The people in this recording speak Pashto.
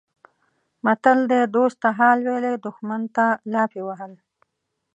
متل دی: دوست ته حال ویلی دښمن ته لافې وهل.